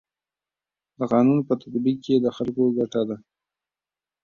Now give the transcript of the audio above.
د قانون په تطبیق کي د خلکو ګټه ده.